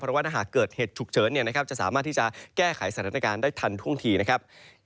เพราะว่าถ้าหากเกิดเหตุฉุกเฉินจะสามารถที่จะแก้ไขสถานการณ์ได้ทันท่วงทีนะครับ